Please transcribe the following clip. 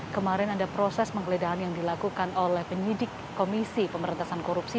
kemarin ada proses penggeledahan yang dilakukan oleh penyidik komisi pemberantasan korupsi